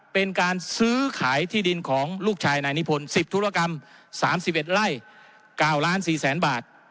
เป็นการซื้อขายที่ดินของลูกชายนายนิพนธ์๑๐ธุรกรรม๓๑ไร่๙ล้าน๔แสนบาท